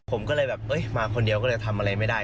ผมก็เลยแบบมาคนเดียวก็เลยทำอะไรไม่ได้